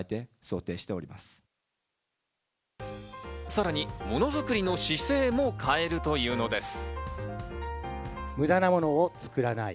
さらに物作りの姿勢も変えるというのです。